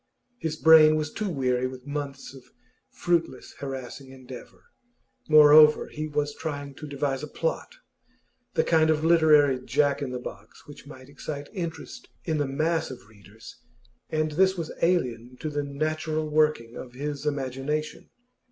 His brain was too weary with months of fruitless, harassing endeavour; moreover, he was trying to devise a 'plot,' the kind of literary Jack in the box which might excite interest in the mass of readers, and this was alien to the natural working of his imagination.